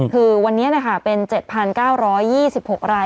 คือวันนี้หน่ะค่ะเป็น๗๙๒๖ไร่